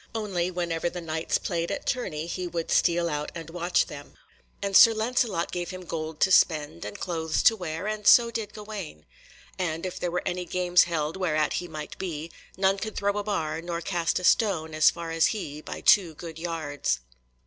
Only, whenever the Knights played at tourney he would steal out and watch them. And Sir Lancelot gave him gold to spend, and clothes to wear, and so did Gawaine. Also, if there were any games held whereat he might be, none could throw a bar nor cast a stone as far as he by two good yards.